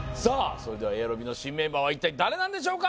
それではエアロビの新メンバーは一体誰なんでしょうか？